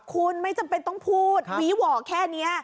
คุณไม่จำเป็นต้องพูดวีหว่อแค่นี้